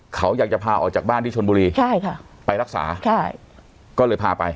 เขาอยากจะพาออกจากบ้านที่ชนบุรีใช่ค่ะไปรักษาใช่ก็เลยพาไป